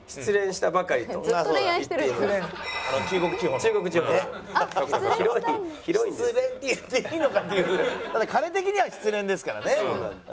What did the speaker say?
ただ彼的には失恋ですからね。